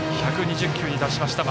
１２０球に達しました